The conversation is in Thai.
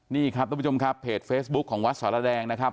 นี่ครับทุกผู้ชมครับเพจเฟซบุ๊คของวัดสารแดงนะครับ